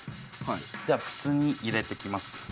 じゃあ普通に入れて行きます。